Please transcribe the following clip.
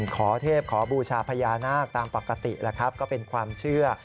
ขอเทพขอบูชาพญานาคตามปกติแล้วครับก็เป็นความเชื่อ